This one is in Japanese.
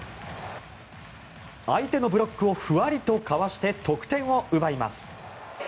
相手のブロックをふわりとかわして得点を奪います。